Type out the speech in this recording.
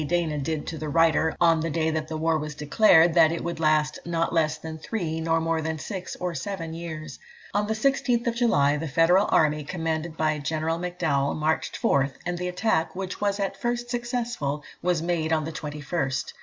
Dana did to the writer, on the day that war was declared that it would last "not less than three, nor more than six or seven years." On the 16th July, the Federal army, commanded by General M'Dowell, marched forth, and the attack, which was at first successful, was made on the 21st.